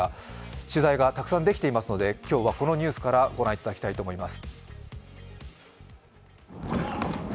取材がたくさんできていますので、今日はこのニュースからご覧いただきたいと思います。